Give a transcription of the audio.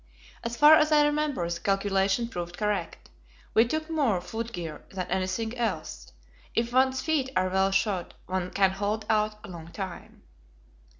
As far as I remember, the calculation proved correct. We took more foot gear than anything else: if one's feet are well shod, one can hold out a long time.